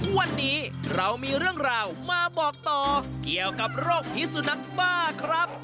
วันนี้เรามีเรื่องราวมาบอกต่อเกี่ยวกับโรคพิสุนักบ้าครับ